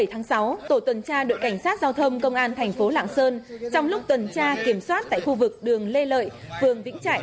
hôm qua sáu tháng bảy công an thành phố lạng sơn đã ra quyết định khởi tố vụ án khởi tố bị can đối với nông văn nam